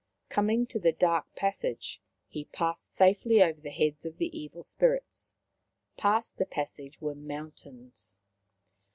Coming to the dark passage, he passed safely over the heads of the evil spirits. Past the pas sage were mountains.